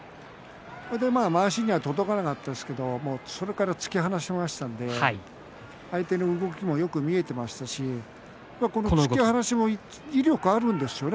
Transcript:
まわしには届かなかったですけどそこから突き放しましたので相手の動きもよく見えていましたしこの突き放しも威力があるんですよね